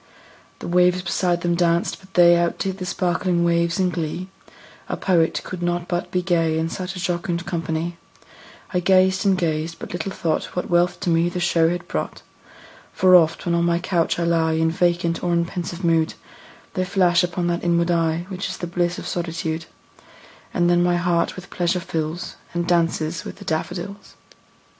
The waves beside them danced; but they Outdid the sparkling waves in glee; A poet could not but be gay, In such a jocund company; I gazed and gazed but little thought What wealth to me the show had brought: For oft, when on my couch I lie In vacant or in pensive mood, They flash upon that inward eye Which is the bliss of solitude; And then my heart with pleasure fills, And dances with the daffodils.